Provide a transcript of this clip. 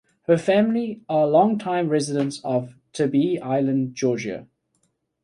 Her family are long-time residents of Tybee Island, Georgia.